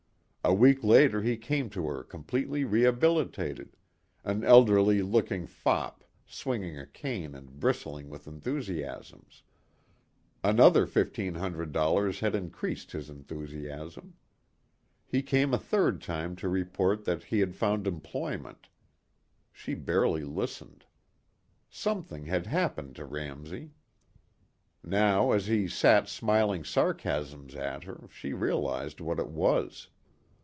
A week later he came to her completely rehabilitated an elderly looking fop swinging a cane and bristling with enthusiasms. Another $1,500 had increased his enthusiasm. He came a third time to report that he had found employment. She barely listened. Something had happened to Ramsey. Now as he sat smiling sarcasms at her she realized what it was.